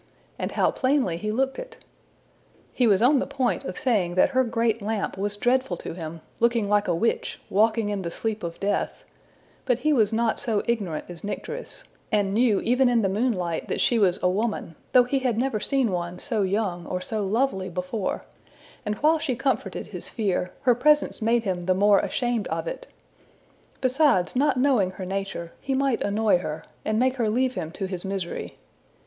and how plainly he looked it! He was on the point of saying that her great lamp was dreadful to him, looking like a witch, walking in the sleep of death; but he was not so ignorant as Nycteris, and knew even in the moonlight that she was a woman, though he had never seen one so young or so lovely before; and while she comforted his fear, her presence made him the more ashamed of it. Besides, not knowing her nature, he might annoy her, and make her leave him to his misery.